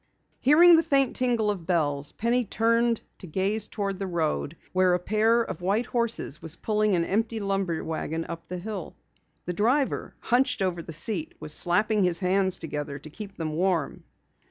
Hearing the faint tingle of bells, Penny turned to gaze toward the road, where a pair of white horses were pulling an empty lumber wagon up the hill. The driver, hunched over on the seat, was slapping his hands together to keep them warm.